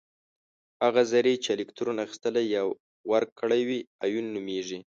هغه ذرې چې الکترون اخیستلی یا ورکړی وي ایون نومیږي.